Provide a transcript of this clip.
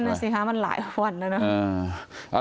นั่นสิคะมันหลายวันแล้วนะ